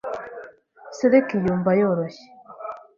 Silk yumva yoroshye .